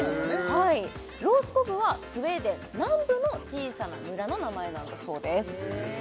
はいロースコグはスウェーデン南部の小さな村の名前なんだそうですへえ